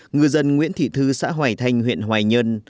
ngư dân nguyễn thị thư xã hoài thanh huyện hoài nhơn